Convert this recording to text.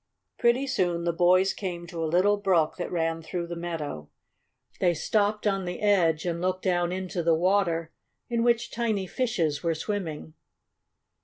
Pretty soon the boys came to a little brook that ran through the meadow. They stopped on the edge, and looked down into the water in which tiny fishes were swimming.